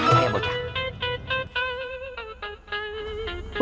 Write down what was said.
kenapa ya bocah